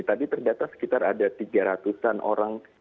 jadi tadi terdata sekitar ada tiga ratus an orang